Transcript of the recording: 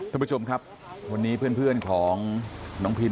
ท่านผู้ชมครับวันนี้เพื่อนของน้องพิม